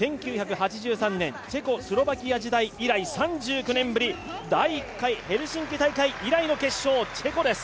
１９８３年、チェコスロバキア時代以来３９年ぶり、第１回、ヘルシンキ大会以来の決勝、チェコです。